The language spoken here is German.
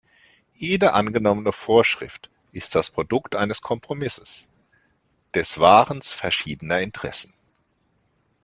Jede angenommene Vorschrift ist das Produkt eines Kompromisses, des Wahrens verschiedener Interessen.